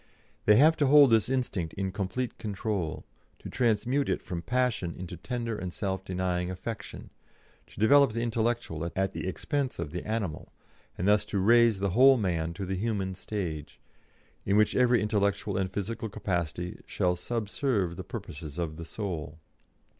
They have to hold this instinct in complete control, to transmute it from passion into tender and self denying affection, to develop the intellectual at the expense of the animal, and thus to raise the whole man to the human stage, in which every intellectual and physical capacity shall subserve the purposes of the soul.